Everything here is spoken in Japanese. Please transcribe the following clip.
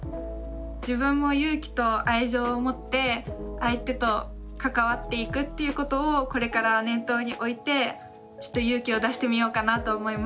自分も勇気と愛情を持って相手と関わっていくっていうことをこれから念頭に置いて勇気を出してみようかなと思いました。